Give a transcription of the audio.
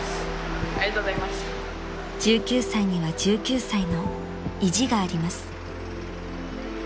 ［１９歳には１９歳の意地があります］